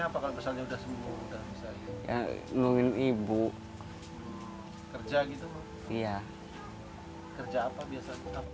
pengennya apakah misalnya sudah sembuh